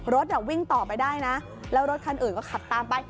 รถวิ่งต่อไปได้นะแล้วรถคันอื่นก็ขับตามไป